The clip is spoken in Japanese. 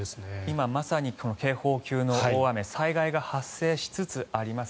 今まさに警報級の大雨災害が発生しつつあります。